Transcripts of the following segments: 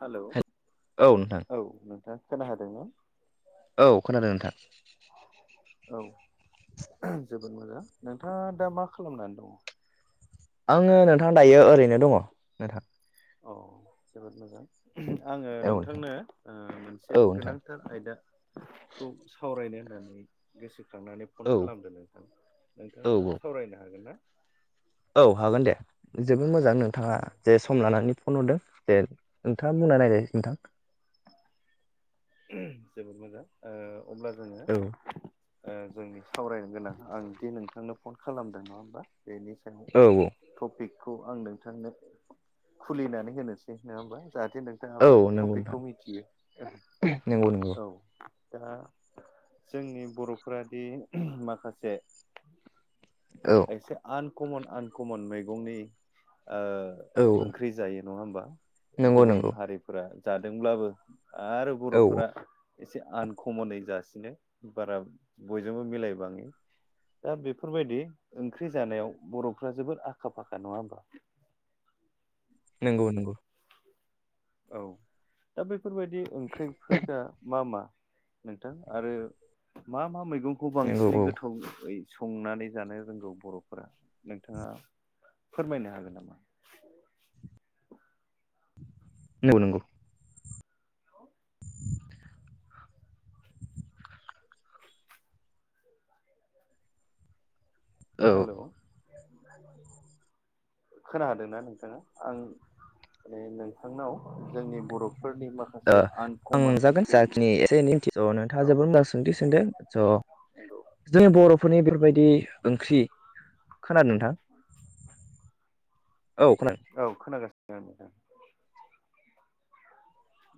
Hello औ नोंथां औ नोंथां खोना हादोंना? औ खोनादों नोंथां। औ जोबोद मोजां नोंथाङा दा मा खालामनानै दङ? आङो नोंथां दायो ओरैनो दङ नोंथां। औ जोबोद मोजां। आङो औ नोंथां नोंथांनो ओ मोनसे औ नोंथां गोनांथार आयदा। खौ सावरायनो। होननानै गोसोखांनानै फन औ खालामदो नोंथां औ नोंथाङा औ सावरायनो हागोन ना। औ हागोन दे जोबोद मोजां नोंथाङा औ जे सम लानानै फन हरदों जे नोंथाङा बुंनायनाय नोंथां। जोबोद मोजां अब्ला जोङो औ ओ जोंनि सावरायनो गोनां आं दि नोंथांनो फन खालामदों नङा होमबा। बेनि औ टपिक खौ आं नोंथांनो खुलिनानै होनोसै नङा होमबा। जाहाथे औ नोंथाङाबो नंगौ नोंथां टपिकखौ मिथियो ओं। नंगौ नंगौ। दा जोंनि बर'फोरा दि माखासे औ एसे आनकमन आनकमन मैगंनि ओ औ ओंख्रि जायो नङा होमबा नंगौ गुबुन नंगौ हारिफोरा जादोंब्लाबो आरो औ बर'फोरा। एसे आनकमनै जासिनो बारा बयजोंबो मिलायबाङै। दा बेफोर बायदि ओंख्रि जानायाव बर'फ्रा जोबोर आखा फाखा नङा होमबा। [inaudible] नंगौ नंगौ। औ दा बेफोर बायदि ओंख्रिफोरा मा मा? नोंथां आरो मा मा मैगंखौ नंगौ बांसिनै औ गोथाव संनानै जानो रोंगौ बर'फोरा नोंथाङा फोरमायनो हागोन नामा। नंगौ नंगौ। औ। औ ओ हेल'। खोना हादोंना नोंथाङा आं माने नोंथांनाव जोंनि बर' आं जागोन जाखिनि एसे निन्थि' नोंथाङा औ जोबोर मोजां सोंथि सोंदों स' नंगौ जों बर'फ बेफोरबायदि ओंख्रि खोनादों नोंथां। औ खोनादों। खोनागासिनो औ नोंथां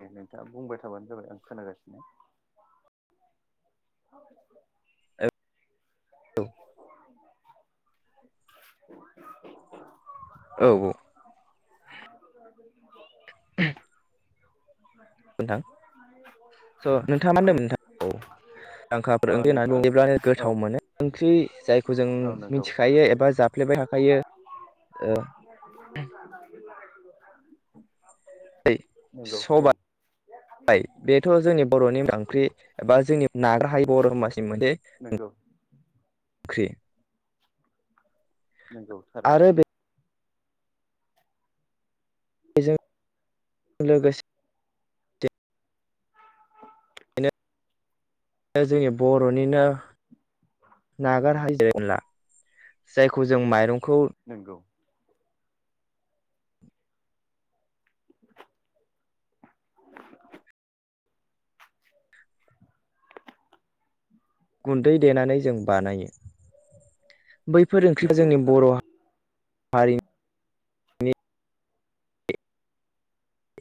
दे नोंथाङा बुंबाय थाबानो जाबाय आं खोनागासिनो। [unintelligible] औ। [inaudible] औ औ [unintelligible] [inaudible] नोंथां स' नोंथाङा मा होनदोंमोन नोंथां औ ओ दांखाफोर ओंख्रि होननानै नोंथां बुङोब्लानो औ गोथाव मोनो ओंख्रि जायखौ जों औ नंगौ मिथिखायो एबा जाफ्लेबाय थाखायो। ओ [unintelligible] [unintelligible] हाय बेथ' जोंनि बर'नि ओंख्रि एबा जोंनि नाग्रा हाय बर' समासिनि मोनसे [unintelligible] ख्रि। नंगौ थारैनो। बेजों लोगोसे। जोंनि बर'निनो नागार हायि [inaudible] जायखौ जों माइरं। नोंगौ। गुन्दै देनानै जों बानायो। बैफोर ओंख्रिखौ नंगौ जोंनि बर' थारैनो हारिनि।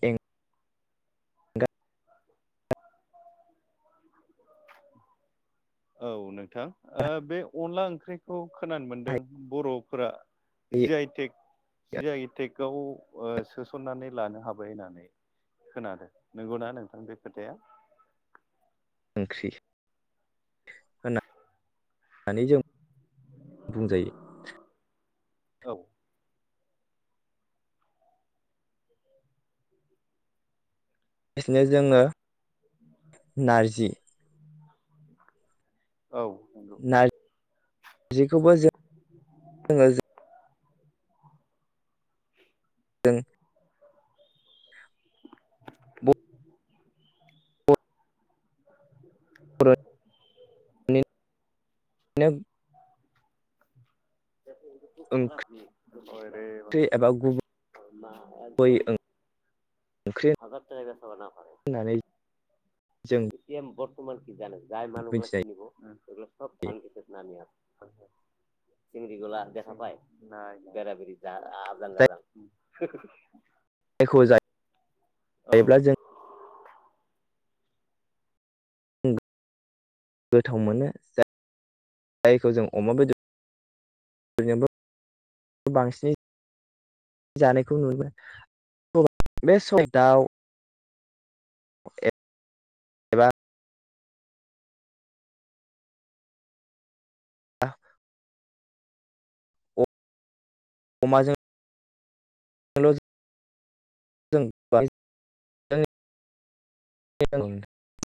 एं गा। औ नोंथां ओ बे अनला ओंख्रिखौ खोनानो मोनदों हायै बर'फोरा। जि आइटेक जि आइटेकआव ओ सोसननानै लानो हाबाय होननानै। खोनादो नंगौना नोंथां बे खोथाया? ओंख्रि। होना नै जों बुंजायो। औ। बिसनो जोङो नारजि। औ नार जिखौबो [inaudible] [unintelligible] [unintelligible] [unintelligible] ओंख्रि एबा गुबै [unintelligible] मा एदम। ओंख्रि हो [unintelligible] नानै [unintelligible] [unintelligible] मिथिनाय जायो सिंग्रीगला देखापाय नाय बेराबेरि जाय आजां-गाजां। जायख' जायो जायोब्ला जों। [unintelligible] गोथाव मोनो जा-जायखौ जों अमा बेद [unintelligible] बांसिनै। जानायखौ नु [inaudible] [unintelligible] एबा अमाजों। [unintelligible] [unintelligible]